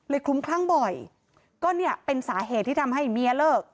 คลุ้มคลั่งบ่อยก็เนี่ยเป็นสาเหตุที่ทำให้เมียเลิก